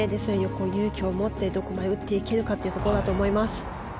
勇気をもってどこまで打っていけるかというところだと思います。